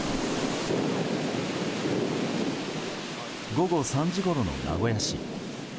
午後３時ごろの名古屋市。